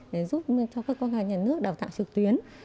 để giúp cho các cơ quan nhà nước đào tạo trực tuyến